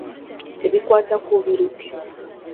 Ebikwata ku biruke.